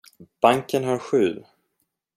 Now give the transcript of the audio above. Banken har sju.